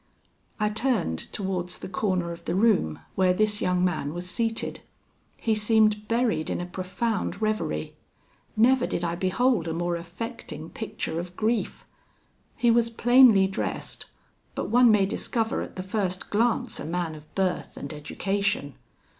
I turned towards the corner of the room, where this young man was seated. He seemed buried in a profound reverie. Never did I behold a more affecting picture of grief. He was plainly dressed; but one may discover at the first glance a man of birth and education.